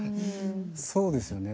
そうですよね。